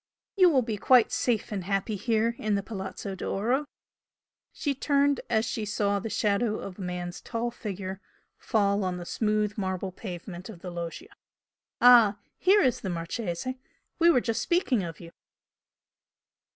You will be quite safe and happy here in the Palazzo d'Oro" she turned as she saw the shadow of a man's tall figure fall on the smooth marble pavement of the loggia "Ah! Here is the Marchese! We were just speaking of you!"